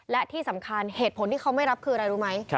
และที่สำคัญเหตุผลที่เขาไม่รับคืออะไรรู้ไหม